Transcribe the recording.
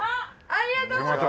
ありがとうございます。